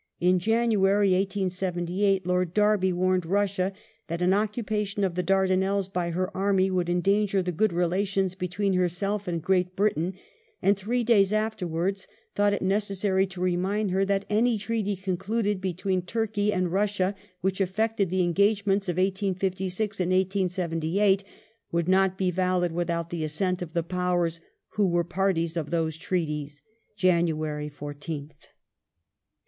In January, 1878, Lord Derby warned Russia that an occupation of the Dardanelles by her army would endanger the good relations between herself and Great Britain, and three days afterwards thought it necessary to remind her that any treaty con cluded between Russia and Turkey which affected the engagements of 1856 and 1878 " would not be valid without the assent of the Powers who were parties to those Treaties " (Jan. 14th).